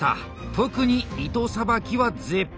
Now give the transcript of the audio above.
特に糸さばきは絶品。